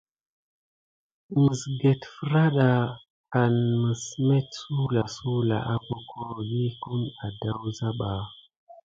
Məsget fraɗa en məs met suwlasuwla akoko vigue kum edawuza ba.